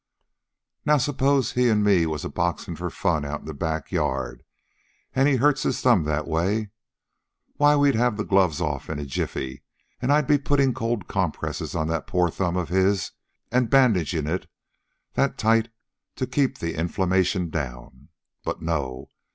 "Now suppose he an' me was boxin' for fun, out in the back yard, an' he hurts his thumb that way, why we'd have the gloves off in a jiffy an' I'd be putting cold compresses on that poor thumb of his an' bandagin' it that tight to keep the inflammation down. But no.